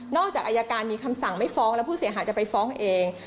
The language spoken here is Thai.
จากอายการมีคำสั่งไม่ฟ้องแล้วผู้เสียหายจะไปฟ้องเอง